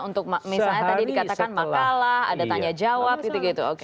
untuk misalnya tadi dikatakan makalah ada tanya jawab gitu